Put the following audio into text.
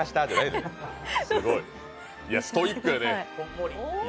ストイックやね。